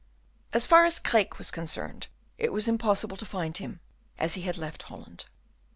As far as Craeke was concerned, it was impossible to find him, as he had left Holland.